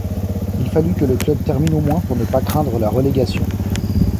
Il fallut que le club termine au moins pour ne pas craindre la relégation.